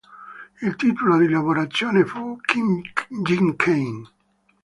Il titolo di lavorazione fu "Jim Kane".